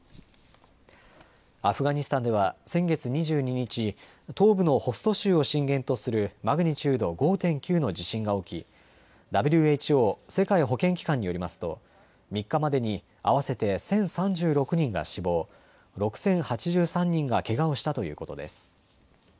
アフガニスタンでは先月２２日、東部のホスト州を震源とするマグニチュード５．９の地震が起き、ＷＨＯ・世界保健機関によりますと３日までに合わせて１０３６人が死亡、６０８３人がけがをしたということです。